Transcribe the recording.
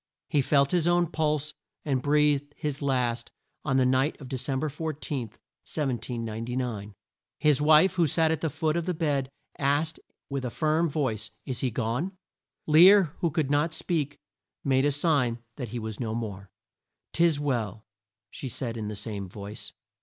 He felt his own pulse, and breathed his last on the night of De cem ber 14, 1799. His wife, who sat at the foot of the bed, asked with a firm voice, "Is he gone?" Lear, who could not speak, made a sign that he was no more. "'Tis well," said she in the same voice.